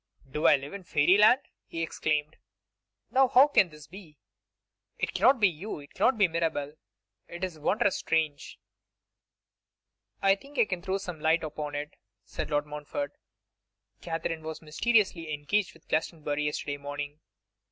'Do I live in fairyland?' he exclaimed. 'Now who can this be? It cannot be you; it cannot be Mirabel. It is wondrous strange.' 'I think I can throw some light upon it,' said Lord Montfort. 'Katherine was mysteriously engaged with Glastonbury yesterday morning.